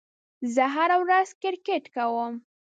زه هره ورځ کرېکټ کوم.